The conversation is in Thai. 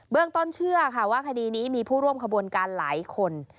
เรื่องต้นเชื่อค่ะว่าคดีนี้มีผู้ร่วมขบวนการหลายคน